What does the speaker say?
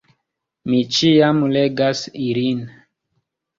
Mi ĉiam legas ilin.